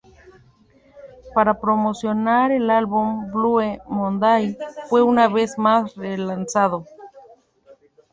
Para promocionar el álbum, "Blue Monday" fue una vez más re-lanzado.